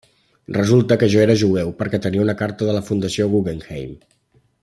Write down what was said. Resulta que jo era jueu perquè tenia una carta de la Fundació Guggenheim.